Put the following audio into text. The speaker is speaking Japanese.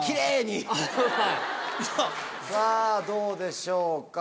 さぁどうでしょうか。